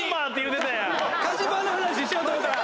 菓子パンの話しようと思ったら。